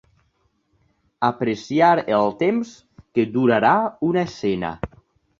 Apreciar el temps que durarà una escena.